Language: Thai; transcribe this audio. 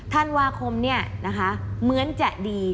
ท่านวาคมเนี่ยนะคะเหมือนจะดี